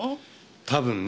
多分ね。